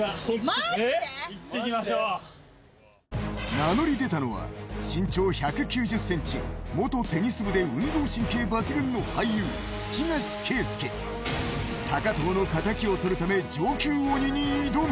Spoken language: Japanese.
名乗り出たのは身長１９０ｃｍ、元テニス部で運動神経抜群の俳優、東啓介高藤のかたきをとるため、上級鬼に挑む。